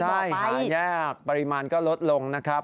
ใช่หายากปริมาณก็ลดลงนะครับ